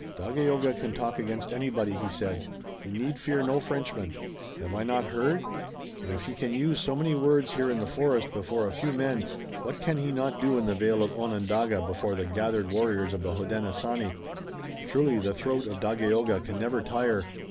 "Dagaeoga can talk against anybody," he said. "He need fear no Frenchman. Have I not heard? And if he can use so many words here in the forest before a few men what can he not do in the vale of Onondaga before the gathered warriors of the Hodenosaunee? Truly the throat of Dagaeoga can never tire.